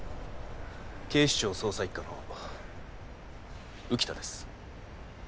警視庁捜査一課の浮田です。